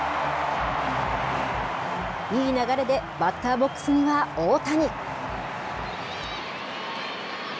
いい流れでバッターボックスには大谷。